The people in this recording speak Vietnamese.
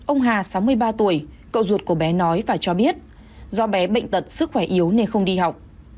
ông hà sáu mươi ba tuổi cậu ruột của bé nói và cho biết do bé bệnh tật sức khỏe yếu nên không đi học